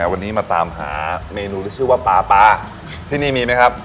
วันนี้มาตามหาเมนูที่ชื่อว่าปลาปลาที่นี่มีไหมครับ